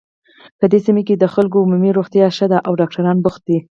په دې سیمه کې د خلکو عمومي روغتیا ښه ده او ډاکټران بوخت دي